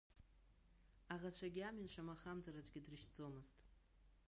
Аӷацәагьы амҩан шамахамзар аӡәгьы дрышьҭӡомызт.